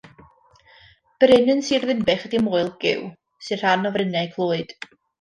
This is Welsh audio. Bryn yn Sir Ddinbych ydy Moel Gyw, sy'n rhan o Fryniau Clwyd.